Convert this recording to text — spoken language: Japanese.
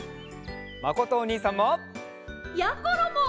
まことおにいさんも！やころも！